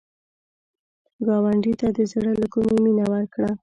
ګاونډي ته د زړه له کومي مینه ورکړه